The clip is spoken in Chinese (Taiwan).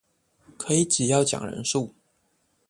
可以只要講人數